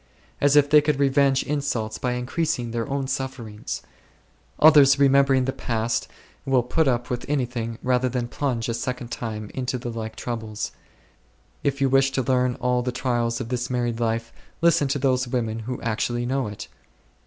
As if they could revenge insults by increasing their own suffer ings ! Others, remembering the past, will put up with anything rather than plunge a second time into the like troubles. If you wish to learn all the trials of this married life, listen to those women who actually know it.